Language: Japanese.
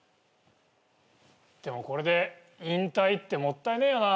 でもこれで引退ってもったいねえよな。